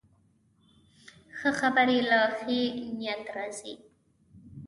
ښه خبرې له ښې نیت راځي